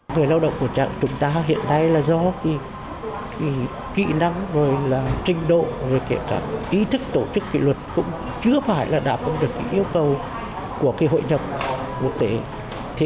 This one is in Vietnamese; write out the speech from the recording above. người lao động của chúng ta hiện nay là do kỹ năng trinh độ kể cả ý thức tổ chức kỹ luật cũng chưa phải là đạt được yêu cầu của hội nhập quốc tế